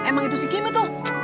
emang itu si kimi tuh